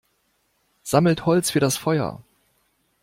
Sammelt Holz für das Feuer!